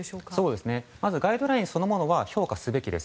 ガイドラインそのものは評価すべきです。